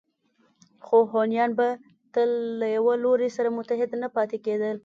خو هونیان به تل له یوه لوري سره متحد نه پاتې کېدل